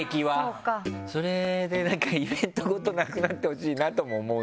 それでなんかイベントごとなくなってほしいなとも思うんですよね。